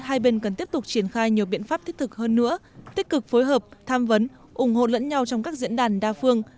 hai bên cần tiếp tục triển khai nhiều biện pháp thiết thực hơn nữa tích cực phối hợp tham vấn ủng hộ lẫn nhau trong các diễn đàn đa phương